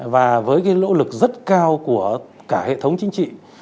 và với cái lỗ lực rất cao của cả hệ thống chính trị